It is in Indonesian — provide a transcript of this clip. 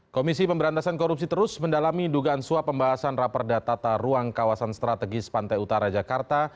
komisi pemberantasan korupsi terus mendalami dugaan suap pembahasan raperda tata ruang kawasan strategis pantai utara jakarta